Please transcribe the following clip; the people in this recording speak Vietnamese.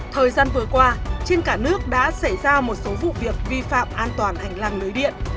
thời gian vừa qua trên cả nước đã xảy ra một số vụ việc vi phạm an toàn hành lang lưới điện